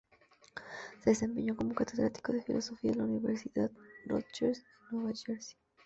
Se desempeñó como catedrático de filosofía de la Universidad Rutgers, en Nueva Jersey.